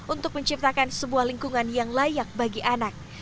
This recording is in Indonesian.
untuk menciptakan sebuah lingkungan yang layak bagi anak